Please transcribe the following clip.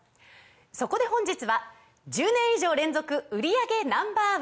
そこで本日は１０年以上連続売り上げＮｏ．１